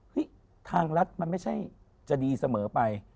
ฮิ้ทางลักษณ์มันไม่ใช่จะดีเสมอไป